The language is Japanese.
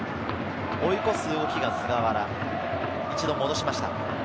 追い越す動きが菅原、一度戻しました。